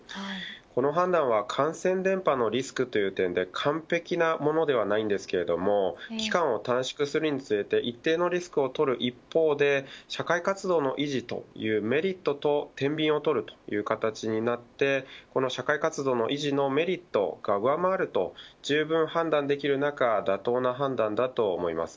この判断は感染伝播のリスクという点で、完璧なものではないんですけれども期間を短縮するにつれて一定のリスクをとる一方で社会活動の維持というメリットとてんびんを取るという形になってこの社会活動の維持のメリットが上回ると十分判断できる中妥当な判断だと思います。